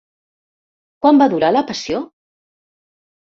Quant va durar la passió?